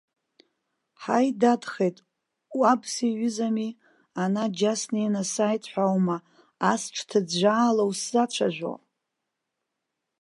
Ҳаи дадхеит, уаб сиҩызамзи, ана џьа снеины сааит ҳәа аума ас ҿҭыӡәӡәаала узсацәажәо?!